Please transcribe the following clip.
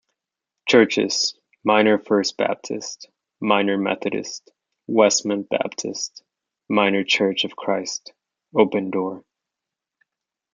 Churches: Minor First Baptist, Minor Methodist, Westmont Baptist, Minor church of Christ, Open Door.